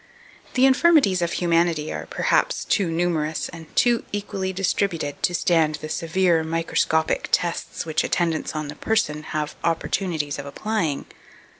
The infirmities of humanity are, perhaps, too numerous and too equally distributed to stand the severe microscopic tests which attendants on the person have opportunities of applying.